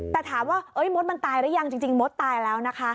แต่ถามว่ามดมันตายหรือยังจริงมดตายแล้วนะคะ